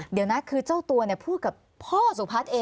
เดี๋ยวนะคือเจ้าตัวพูดกับพ่อสุพัฒน์เอง